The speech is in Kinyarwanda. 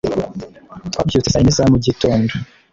twabyutse saa yine za mu gitondo